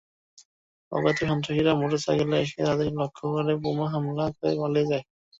অজ্ঞাত সন্ত্রাসীরা মোটরসাইকেলে এসে তাঁদের লক্ষ্য করে বোমা হামলা করে পালিয়ে যায়।